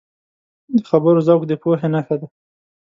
د خبرو ذوق د پوهې نښه ده